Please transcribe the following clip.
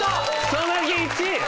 草薙１位！